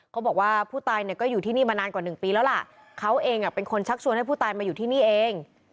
เขาบอกว่าผู้ตายเนี่ยก็อยู่ที่นี่มานานกว่าหนึ่งปีแล้วล่ะเขาเองเป็นคนชักชวนให้ผู้ตายมาอยู่ที่นี่เอง